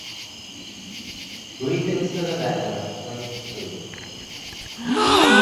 Greetings to the network twenty three.